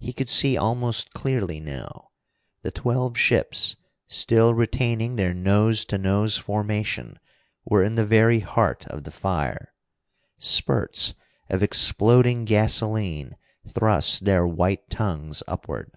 He could see almost clearly now. The twelve ships, still retaining their nose to nose formation, were in the very heart of the fire. Spurts of exploding gasoline thrust their white tongues upward.